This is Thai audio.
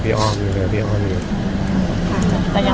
ภาษาสนิทยาลัยสุดท้าย